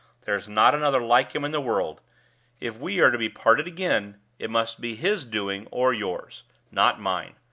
There's not another like him in the world. If we are to be parted again, it must be his doing or yours not mine.